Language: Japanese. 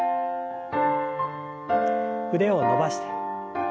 腕を伸ばして。